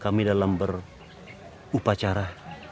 kami dalam berupacara